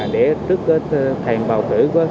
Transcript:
để trước thềm bào cử